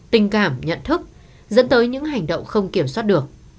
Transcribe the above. tình cảm nhận thức dẫn tới những hành động không kiểm soát được